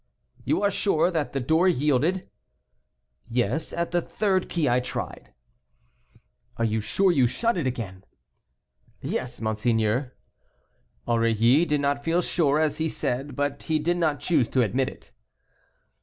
"You are sure that the door yielded?" "Yes, at the third key I tried." "Are you sure you shut it again?" "Yes, monseigneur." Aurilly did not feel sure, as he said, but he did not choose to admit it.